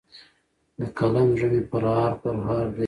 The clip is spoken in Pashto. د قلم زړه مي پرهار پرهار دی